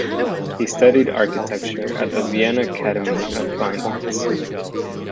He studied architecture at the Vienna Academy of Fine Arts.